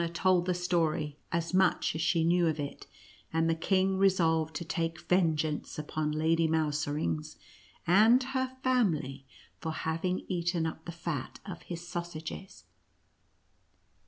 honor told the story, as much as she knew of it, and the king resolved to take vengeance upon Lady Mouserings and her family for having eaten up the fat of his sausages.